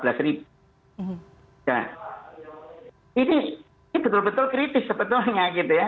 nah ini betul betul kritis sebetulnya gitu ya